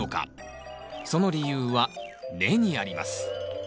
その理由は根にあります